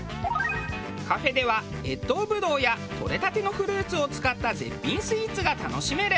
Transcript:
カフェでは越冬ぶどうやとれたてのフルーツを使った絶品スイーツが楽しめる。